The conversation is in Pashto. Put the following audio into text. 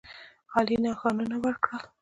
عالي نښانونه ورکړل.